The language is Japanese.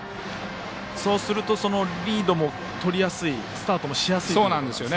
そうするとリードもとりやすいスタートもしやすいということですね。